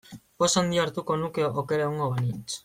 Poz handia hartuko nuke oker egongo banintz.